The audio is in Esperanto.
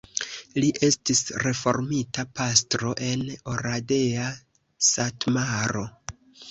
Li estis reformita pastro en Oradea, Satmaro.